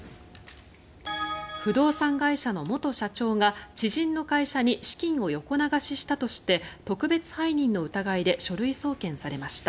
不動産会社の元社長が知人の会社に資金を横流ししたとして特別背任の疑いで書類送検されました。